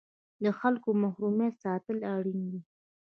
د خلکو محرمیت ساتل اړین دي؟